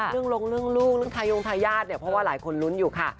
ลงเรื่องลูกเรื่องทายงทายาทเนี่ยเพราะว่าหลายคนลุ้นอยู่ค่ะ